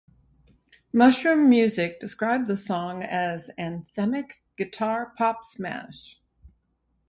Mushroom music described the song as "anthemic guitar pop smash".